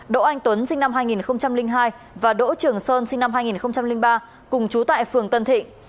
đỗ anh tuấn sinh năm hai nghìn hai và đỗ trường sơn sinh năm hai nghìn ba cùng chú tại phường tân thịnh